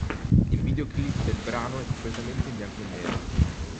Il videoclip del brano è completamente in bianco e nero.